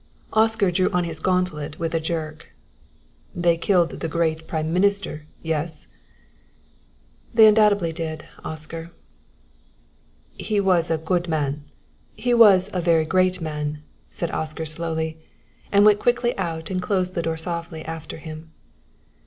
Oscar drew on his gauntlet with a jerk. "They killed the great prime minister yes?" "They undoubtedly did, Oscar." "He was a good man he was a very great man," said Oscar slowly, and went quickly out and closed the door softly after him.